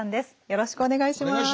よろしくお願いします。